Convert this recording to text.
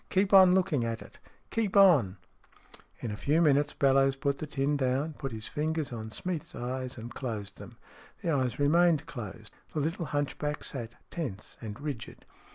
" Keep on looking at it. Keep on !" In a few minutes Bellowes put the tin down, put his ringers on Smeath's eyes, and closed them. The eyes remained closed. The little hunchback sat tense and rigid.